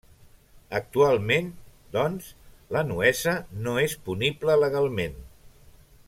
Actualment, doncs, la nuesa no és punible legalment.